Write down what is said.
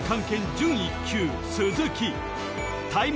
準１級鈴木タイム